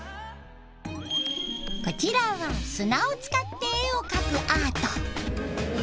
こちらは砂を使って絵を描くアート。